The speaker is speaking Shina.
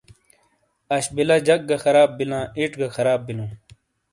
اش بیلا جک گہخراب بیلاں ایڇ گہ خراب بیلوں ۔